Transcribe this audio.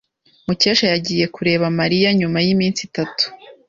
Mukesha yagiye kureba Mariya nyuma yiminsi itatu.